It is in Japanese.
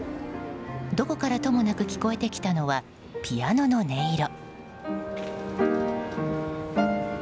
どこからともなく聞こえてきたのは、ピアノの音色。